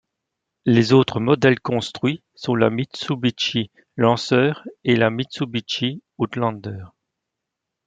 Les autres modèles construits sont la Mitsubishi Lancer et le Mitsubishi Outlander.